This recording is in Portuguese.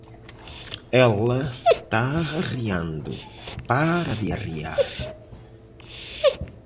Ela tá arriando, para de arriar!